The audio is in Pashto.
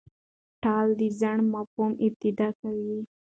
ټال د ځنډ مفهوم افاده کوي.